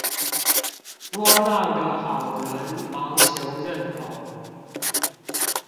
窩囊的好人忙求認同